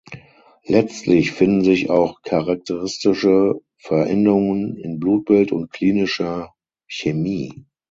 Letztlich finden sich auch charakteristische Veränderungen in Blutbild und klinischer Chemie.